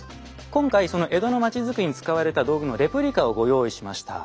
今回その江戸の町づくりに使われた道具のレプリカをご用意しました。